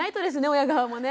親側もね。